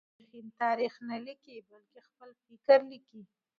مورخين تاريخ نه ليکي بلکې خپل فکر ليکي.